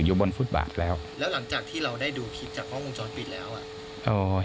อยู่บนฟุตบาทแล้วแล้วหลังจากที่เราได้ดูคลิปจากกล้องวงจรปิดแล้วอ่ะเอ่อ